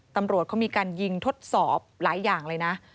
ตำรวจเขามีการยิงทดสอบหลายอย่างเลยนะ